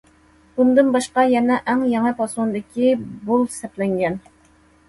بۇندىن باشقا يەنە ئەڭ يېڭى پاسوندىكى بۇل سەپلەنگەن.